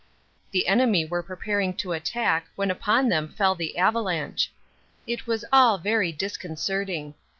The enemy were preparing to attack when upon them fell the avalanche. It was all very disconcerting.